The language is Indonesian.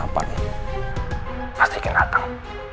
pasti akan datang